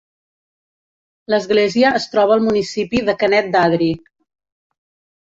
L'església es troba al municipi de Canet d'Adri.